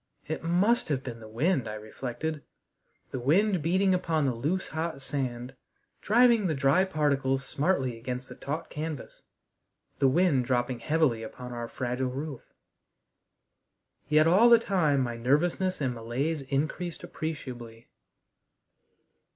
It must have been the wind, I reflected the wind beating upon the loose, hot sand, driving the dry particles smartly against the taut canvas the wind dropping heavily upon our fragile roof. Yet all the time my nervousness and malaise increased appreciably.